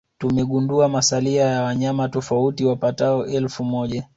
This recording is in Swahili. Tumegundua masalia ya wanyama tofauti wapatao elfu moja